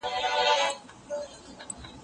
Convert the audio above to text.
نه شرنګى سته د پاوليو نه پايلو